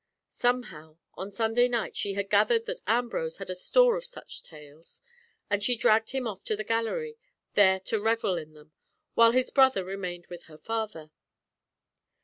Somehow, on Sunday night she had gathered that Ambrose had a store of such tales, and she dragged him off to the gallery, there to revel in them, while his brother remained with her father.